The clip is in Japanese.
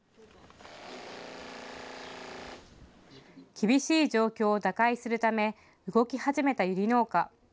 厳しい状況を打開するため動き始めたユリ農家。